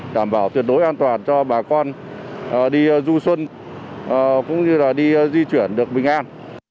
đảm bảo tuyệt đối an toàn cho bà con đi du xuân cũng như là đi di chuyển được bình an